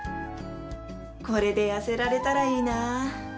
これで痩せられたらいいなあ。